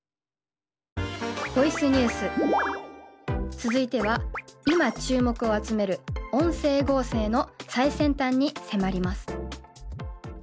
続いては今注目を集める音声合成の最先端に迫ります。